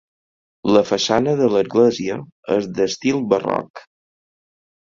La façana de l'església és d'estil barroc.